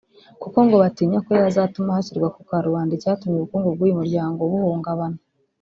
kuko ngo batinya ko yazatuma hashyirwa ku karubanda icyatumye ubukungu bw’ uyu muryango buhungabana